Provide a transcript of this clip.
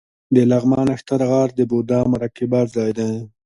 د لغمان نښتر غار د بودا مراقبه ځای دی